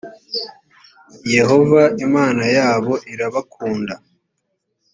yehova imana yabo irabakunda